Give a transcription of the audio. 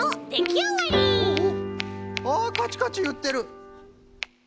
ああカチカチいってる！